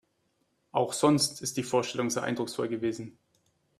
Auch sonst ist die Vorstellung sehr eindrucksvoll gewesen.